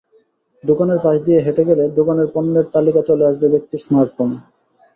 দোকানের পাশ দিয়ে হেঁটে গেলে দোকানের পণ্যের তালিকা চলে আসবে ব্যক্তির স্মার্টফোনে।